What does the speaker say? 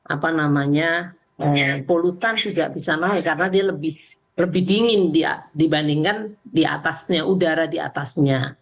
apa namanya polutan juga bisa naik karena dia lebih dingin dibandingkan di atasnya udara di atasnya